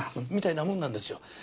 みたいなもんなんですよ。